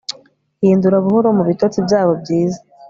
Hindura buhoro mubitotsi byabo byiza